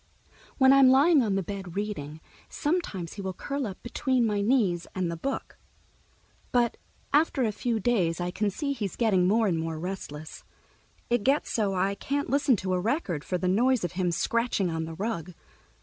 When I'm lying on the bed reading, sometimes he will curl up between my knees and the book. But after a few days I can see he's getting more and more restless. It gets so I can't listen to a record, for the noise of him scratching on the rug.